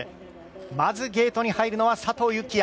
まずゲートに入るのは佐藤幸椰。